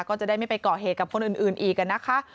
ก็จะได้ไม่ไปก่อเหตุกับคนอื่นอีกนะคะ